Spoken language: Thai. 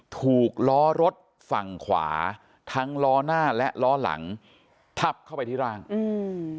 ถูกล้อรถฝั่งขวาทั้งล้อหน้าและล้อหลังทับเข้าไปที่ร่างอืม